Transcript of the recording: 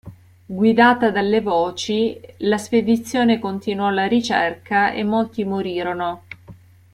Guidata dalle voci, la spedizione continuò la ricerca e molti morirono.